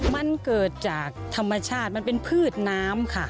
มันเกิดจากธรรมชาติมันเป็นพืชน้ำค่ะ